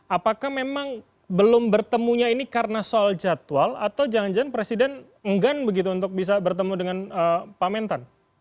apakah memang belum bertemunya ini karena soal jadwal atau jangan jangan presiden enggan begitu untuk bisa bertemu dengan pak mentan